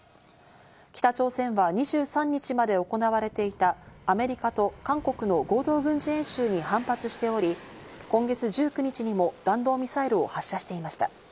北朝鮮は２３日まで行われていたアメリカと韓国の合同軍事演習に反発しており、今月１９日にも弾道ミサイルを発射していました。